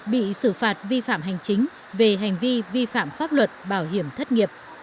bị xử phạt vi phạm hành chính về hành vi vi phạm pháp luật bảo hiểm thất nghiệp